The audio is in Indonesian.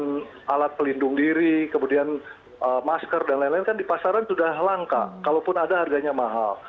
kemudian alat pelindung diri kemudian masker dan lain lain kan di pasaran sudah langka kalaupun ada harganya mahal